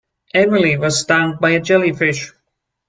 Emily was stung by a jellyfish.